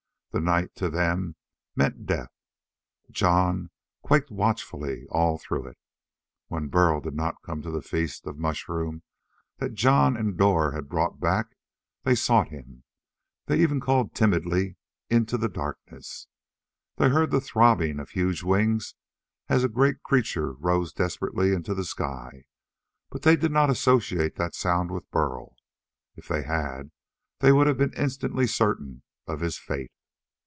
The night, to them, meant death. Jon quaked watchfully all through it. When Burl did not come to the feast of mushroom that Jon and Dor had brought back, they sought him. They even called timidly into the darkness. They heard the throbbing of huge wings as a great creature rose desperately into the sky, but they did not associate that sound with Burl. If they had, they would have been instantly certain of his fate.